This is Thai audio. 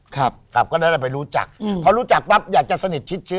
ครับครับก็เลยไปรู้จักอืมพอรู้จักปั๊บอยากจะสนิทชิดเชื้อ